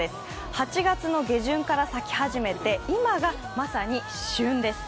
８月の下旬から咲き始めて今がまさに旬です。